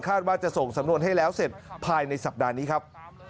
ว่าจะส่งสำนวนให้แล้วเสร็จภายในสัปดาห์นี้ครับ